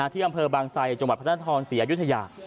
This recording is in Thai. ที่อำเภอบางไซจังหวัดพระนครศรีอยุธยา